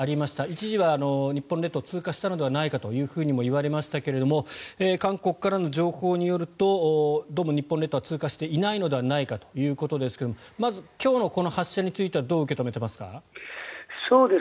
一時は日本列島を通過したのではないかともいわれましたが韓国からの情報によるとどうも日本列島は通過していないのではないかということですがまず、今日の発射についてはどう受け止めていますか？